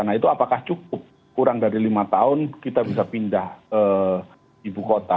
nah itu apakah cukup kurang dari lima tahun kita bisa pindah ibu kota